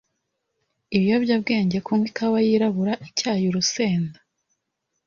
ibiyobyabwenge kunywa ikawa yirabura icyayi urusenda